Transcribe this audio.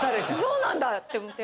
そうなんだって思って。